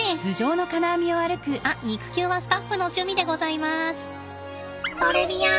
あっ肉球はスタッフの趣味でございます。